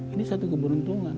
ini satu keberuntungan